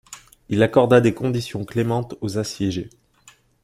Il accorda des conditions clémentes aux assiégés.